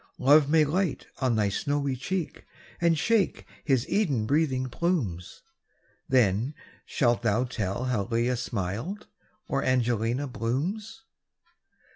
Love may light on thy snowy cheek, And shake his Eden breathing plumes; Then shalt thou tell how Lelia smiles, Or Angelina blooms.